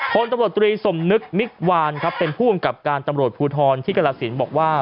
คนตำรวจตรีสมนึกมิกวานครับเป็นผู้กำกับการตำรวจภูทรที่กรสินบอกว่า